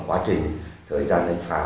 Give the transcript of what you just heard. một giam thờ